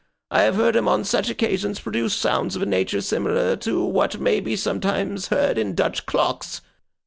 I have heard him on such occasions produce sounds of a nature similar to what may be sometimes heard in Dutch clocks.